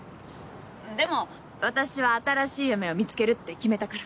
でも私は新しい夢を見つけるって決めたから。